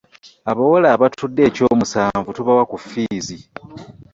Abawala abatudde ekyomusanvu tubawa ku ffiizi.